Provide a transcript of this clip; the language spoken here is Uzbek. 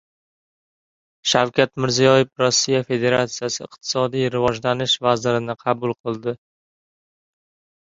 Shavkat Mirziyoyev Rossiya Federatsiyasi iqtisodiy rivojlanish vazirini qabul qildi